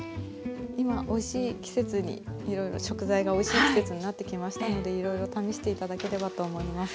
今いろいろ食材がおいしい季節になってきましたのでいろいろ試して頂ければと思います。